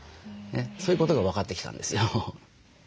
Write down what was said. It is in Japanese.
そういうことが分かってきたんですよ。